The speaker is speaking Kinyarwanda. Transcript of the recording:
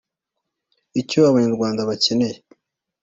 icyo abanyarwanda bakeneye